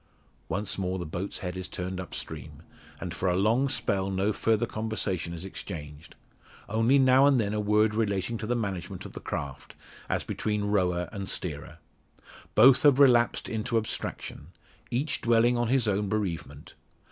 Once more the boat's head is turned upstream, and for a long spell no further conversation is exchanged only now and then a word relating to the management of the craft, as between rower and steerer. Both have relapsed into abstraction each dwelling on his own bereavement.